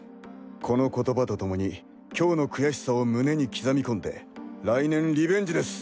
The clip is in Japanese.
この言葉と共に今日の悔しさを胸に刻み込んで来年リベンジです。